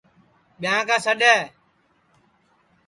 ٻیاں کا سڈؔ ہے